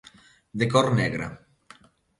De cor negra.